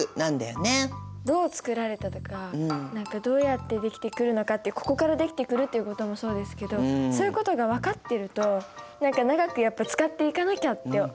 どう作られたとかどうやって出来てくるのかっていうここから出来てくるっていうこともそうですけどそういうことが分かってると長くやっぱ使っていかなきゃって意識が生まれて。